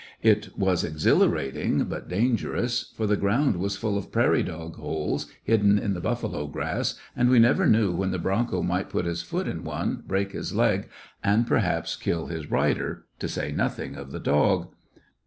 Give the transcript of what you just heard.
It was exhilarating, but danger onSj for the ground was full of prairie dog holes hidden in the buffalo grass, and we never knew when the bronco might put his foot in one, break his leg, and perhaps kill his rider, to say nothing of the dog.